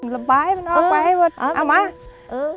ละบายมันออกไปเอามาเออ